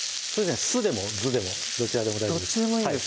酢でも酢でもどちらでも大丈夫です